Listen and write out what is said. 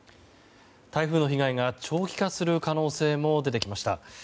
台風の被害が長期化する可能性も出てきました。